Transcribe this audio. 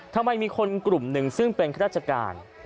ทำไมมีคนกลุ่มหนึ่งซึ่งเป็นข้าราชการ